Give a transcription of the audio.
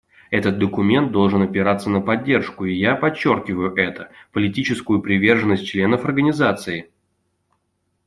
Этот документ должен опираться на поддержку и, я подчеркиваю это, политическую приверженность членов Организации.